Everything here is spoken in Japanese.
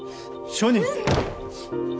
証人！